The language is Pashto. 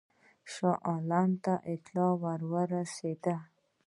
شاه عالم ته اطلاع ورسېده.